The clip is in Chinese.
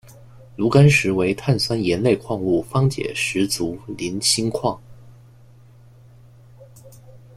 炉甘石为碳酸盐类矿物方解石族菱锌矿。